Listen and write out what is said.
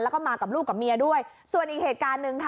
แล้วก็มากับลูกกับเมียด้วยส่วนอีกเหตุการณ์หนึ่งค่ะ